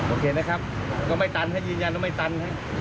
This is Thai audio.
โอเคนะครับไม่ตันให้ยืนยัน